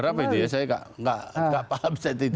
kenapa itu ya saya nggak paham state itu